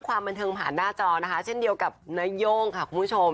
ความบันเทิงผ่านหน้าจอนะคะเช่นเดียวกับนโย่งค่ะคุณผู้ชม